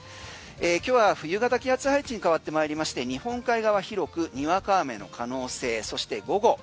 今日は冬型気圧配置に変わって参りまして日本海側、広くにわか雨の可能性そして午後。